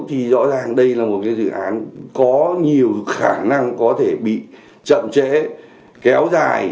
thì rõ ràng đây là một dự án có nhiều khả năng có thể bị chậm trễ kéo dài